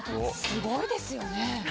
すごいですよね。